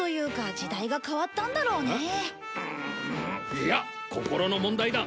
いや心の問題だ！